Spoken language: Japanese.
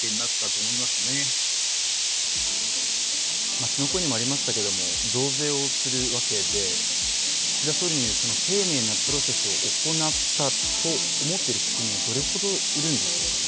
街の声にもありましたけど、増税をするわけで岸田総理の言う丁寧なプロセスを行ったと思っている国民はどれほどいるんでしょうかね。